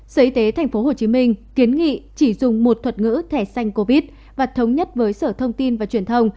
sở y tế tp hcm kiến nghị chỉ dùng một thuật ngữ thẻ xanh covid và thống nhất với sở thông tin và truyền thông